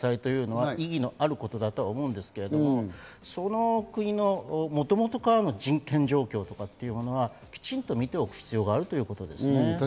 中東初の開催というのは意義があることだと思うんですけど、その国のもともとからの人権状況とかはきちんと見ておく必要があるということですね。